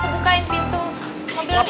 bukain pintu mobil ya